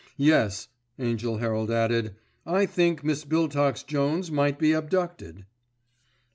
Yes," Angell Herald added, "I think Miss Biltox Jones might be abducted."